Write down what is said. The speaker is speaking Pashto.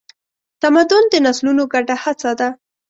تمدن د نسلونو ګډه هڅه ده.